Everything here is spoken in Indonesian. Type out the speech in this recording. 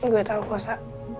gue tau kok sa